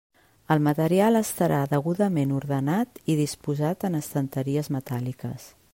El material estarà degudament ordenat i disposat en estanteries metàl·liques.